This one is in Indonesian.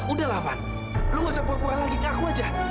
udah lah fad lu nggak usah pura pura lagi ngaku aja